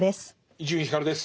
伊集院光です。